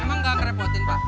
emang gak kerepotin pak